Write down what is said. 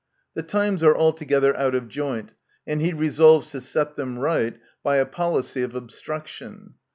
The times are altogether out of joint, and he resolves to set them right by a policy of obstruction.